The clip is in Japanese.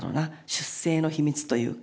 出生の秘密というか。